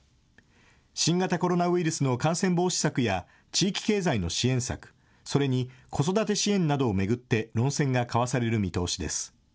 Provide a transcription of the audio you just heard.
新型コロナウイルスの感染防止策や、地域経済の支援策、それに子育て支援などを巡って論戦が交わされる見通しです。